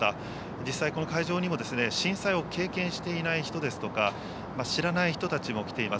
実際、この会場にも、震災を経験していない人ですとか、知らない人たちも来ています。